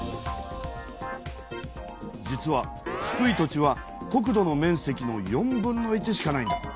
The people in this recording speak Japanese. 実は低い土地は国土の面積の４分の１しかないんだ。